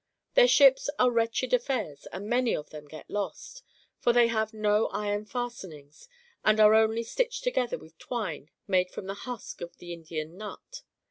Their ships are wretched affairs, and many of them get lost ; for they have no iron fastenings, and are only stitched toQfether with twine made from the husk of the Indian nut.